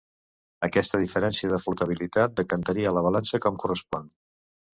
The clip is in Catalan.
Aquesta diferència de flotabilitat decantaria la balança com correspon.